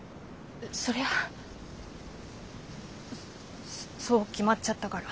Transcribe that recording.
そりゃあそう決まっちゃったから。